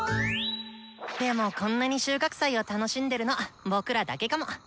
でもこんなに収穫祭を楽しんでるの僕らだけかも。